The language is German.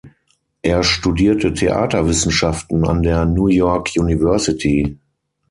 Er studierte Theaterwissenschaften an der New York University.